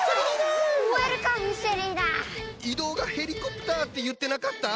移動がヘリコプターっていってなかった？